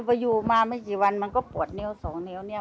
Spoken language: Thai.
พออยู่มาไม่กี่วันมันก็ปวดนิ้วสองนิ้วเนี่ย